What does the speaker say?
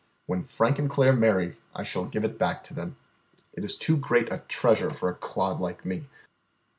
When Frank and Claire marry, I shall give it back to them. It is too great a treasure for a clod like me.